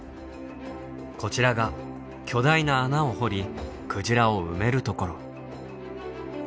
こちらが巨大な穴を掘りクジラを埋めるところ。